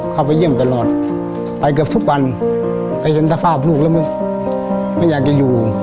เข้าไปเยี่ยมตลอดไปเกือบทุกวันไปเห็นสภาพลูกแล้วไม่อยากจะอยู่